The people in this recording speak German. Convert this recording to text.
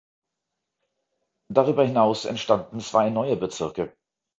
Darüber hinaus entstanden zwei neue Bezirke.